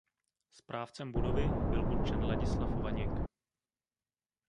Správcem budovy byl určen Ladislav Vaněk.